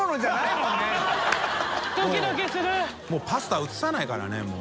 もうパスタ写さないからねもう。